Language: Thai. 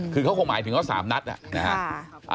คือเขาคงหมายถึงว่า๓นัดนะครับ